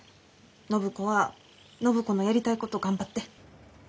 暢子は暢子のやりたいことを頑張って。